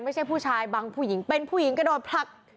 ไม่ใช่ผู้ชายบังผู้หญิงเป็นผู้หญิงกระโดดผลัก